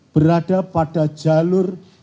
berada pada jalur